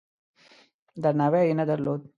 درناوی یې نه درلود.